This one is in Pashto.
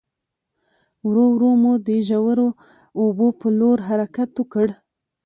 ورو ورو مو د ژورو اوبو په لور حرکت وکړ.